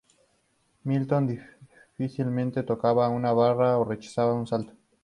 Milton difícilmente tocaba una barra o rechazaba un salto.